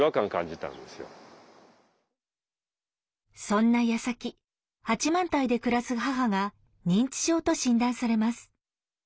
そんなやさき八幡平で暮らす母が認知症と診断されます。